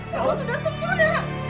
kau sudah sembuh nak